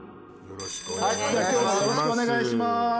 よろしくお願いします。